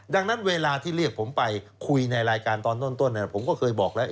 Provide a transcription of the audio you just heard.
ดังนั้นเวลาที่เรียกผมไปคุยในรายการตอนต้นผมก็เคยบอกแล้ว